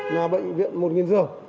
là bệnh viện một giường